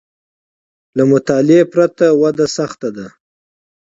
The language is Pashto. له مطالعې پرته وده سخته ده